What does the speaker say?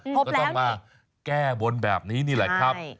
พบแล้วสิก็ต้องมาแก้บนแบบนี้นี่แหละครับ